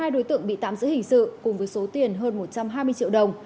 hai đối tượng bị tạm giữ hình sự cùng với số tiền hơn một trăm hai mươi triệu đồng